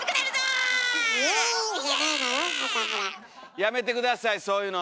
やめて下さいそういうの。